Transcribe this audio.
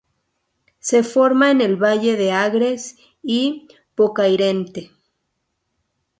Se forma en el valle de Agres y Bocairente.